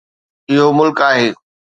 اهو ملڪ آهي.